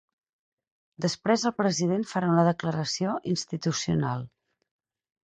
Després el president farà una declaració institucional.